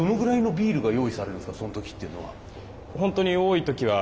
そん時っていうのは。